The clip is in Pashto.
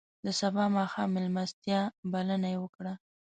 د سبا ماښام میلمستیا بلنه یې وکړه.